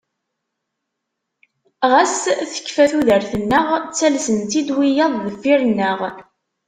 Ɣas tekfa tudert-nneɣ ttalsen-tt-id wiyaḍ deffir-nneɣ.